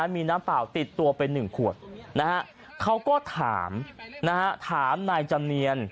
มีน้ำเปล่าติดตัวไป๑ขวดเขาก็ถามถามนายจำเนียน